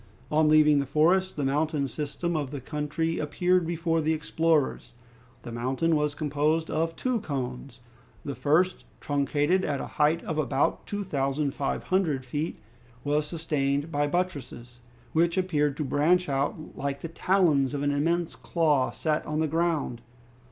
On leaving the forest, the mountain system of the country appeared before the explorers. The mountain was composed of two cones; the first, truncated at a height of about two thousand five hundred feet, was sustained by buttresses, which appeared to branch out like the talons of an immense claw set on the ground.